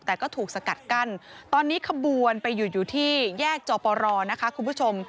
แต่ก็ถูกสกัดกั้นตอนนี้ขบวนไปหยุดอยู่ที่แยกจอปรนะคะคุณผู้ชม